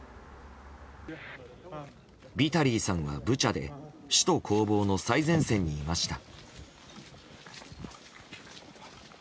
ビタリーさんはブチャで首都攻防の最前線にいました。